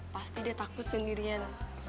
pasti dia takut sendirian